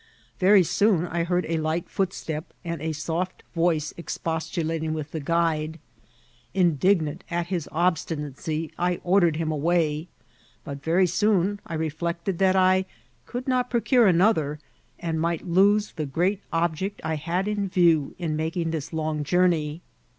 Very soon I heard a light footstep, and a soft voice expostulating with the guide. Indignant at his obstinacy, I ordered him away ; but very soon I reflected that I could not procure another, and might lose the great object I had in view in making this long journey.